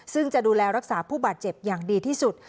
ซึ่งจะดูแลรักษาผู้บาดเจ็บอย่างดีที่สุด